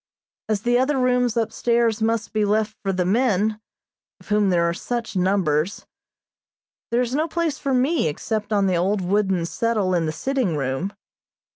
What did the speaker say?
As the other rooms upstairs must be left for the men, of whom there are such numbers, there is no place for me except on the old wooden settle in the sitting room.